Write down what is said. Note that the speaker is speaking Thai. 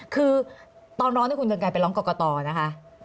คือตอนร้อนที่คุณดนไกรไปร้องกกต่อนะคะ